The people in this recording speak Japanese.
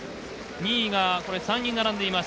２位が３人、並んでいます。